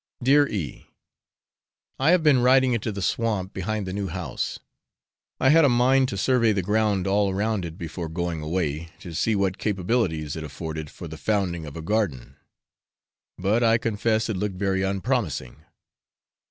Dear E . I have been riding into the swamp behind the new house; I had a mind to survey the ground all round it before going away, to see what capabilities it afforded for the founding of a garden, but I confess it looked very unpromising.